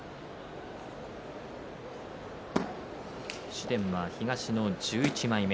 紫雷は東の１１枚目